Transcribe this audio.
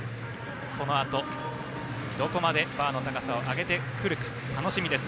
このあと、どこまでバーの高さを上げてくるか楽しみです